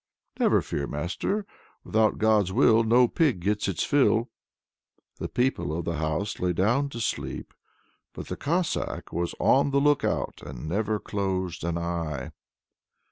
"Never fear, master! 'Without God's will, no pig gets its fill!'" The people of the house lay down to sleep; but the Cossack was on the look out and never closed an eye.